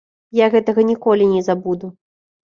Я гэтага ніколі не забуду.